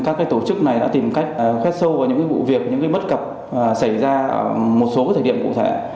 các tổ chức này đã tìm cách khoét sâu vào những vụ việc những bất cập xảy ra ở một số thời điểm cụ thể